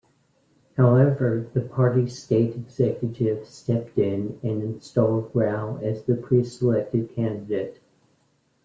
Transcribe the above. However, the party's state executive stepped in and installed Rau as the pre-selected candidate.